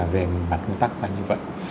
về mặt công tác như vậy